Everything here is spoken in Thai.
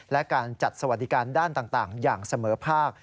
และการจัดสวัสดิการด้านต่างอย่างเสมอภาค